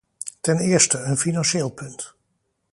Ten eerste, een financieel punt.